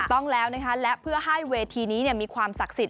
ต้องแล้วนะคะและเพื่อให้เวทีนี้มีความศักดิ์สิทธิ